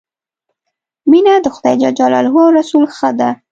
مینه د خدای ج او رسول ښه ده.